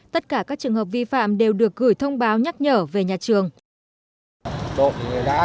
tất cả các trường hợp vi phạm đều được gửi thông báo nhắc nhở về nhà trường